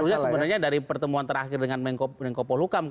yang seharusnya sebenarnya dari pertemuan terakhir dengan menko poluka